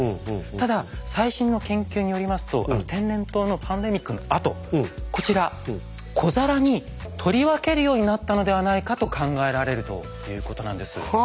ただ最新の研究によりますと天然痘のパンデミックのあとこちら小皿に取り分けるようになったのではないかと考えられるということなんです。